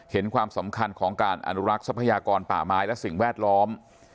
เห็นความสำคัญของการอนุรักษ์ทรัพยากรป่าไม้และสิ่งแวดล้อม